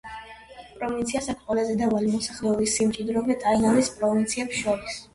პროვინციას აქვს ყველაზე დაბალი მოსახლეობის სიმჭიდროვე ტაილანდის პროვინციებს შორის.